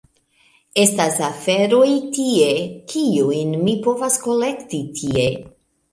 Estas aferoj tie, kiujn mi povas kolekti tie…